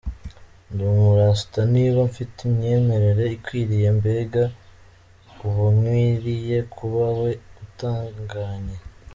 Ndi umu rasta niba mfite imyemerere ikwiriye, mbega uwo nkwiriye kuba we utunganye”.